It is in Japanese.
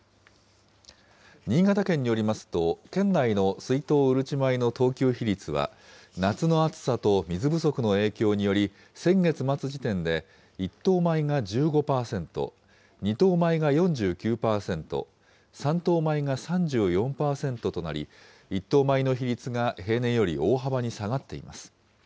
新潟県によりますと、県内の水稲うるち米の等級比率は、夏の暑さと水不足の影響により、先月末時点で１等米が１５％、２等米が４９％、３等米が３４％となり、１等米の比率が平年より大幅に下がっています。